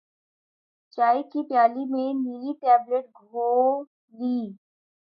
چائے کی پیالی میں نیلی ٹیبلٹ گھولی